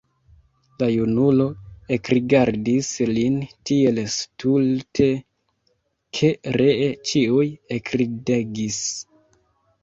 La junulo ekrigardis lin tiel stulte, ke ree ĉiuj ekridegis.